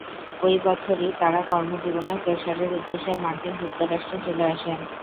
ঐ বছরই তারা কর্মজীবন প্রসারের উদ্দেশ্যে মার্কিন যুক্তরাষ্ট্রে চলে আসেন।